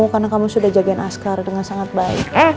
karena kamu sudah jagain askar dengan sangat baik